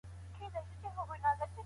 کمپيوټر فېس آى ډي لري.